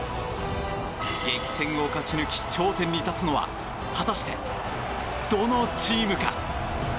激戦を勝ち抜き、頂点に立つのは果たしてどのチームか。